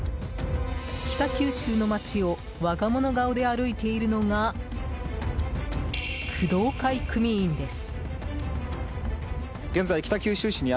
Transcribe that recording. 北九州の街を我が物顔で歩いているのが、工藤会組員です。